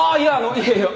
いやいや。